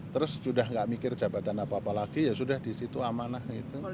terus sudah nggak mikir jabatan apa apa lagi ya sudah disitu amanah gitu